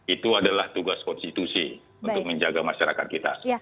itu adalah tugas konstitusi untuk menjaga masyarakat kita